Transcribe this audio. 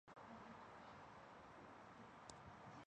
此姿势可能适用于身体障碍或想节省体力的男人。